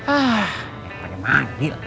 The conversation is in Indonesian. ah pake mandi lagi